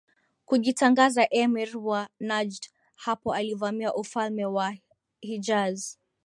kujitangaza Emir wa Najd Hapo alivamia ufalme wa Hijaz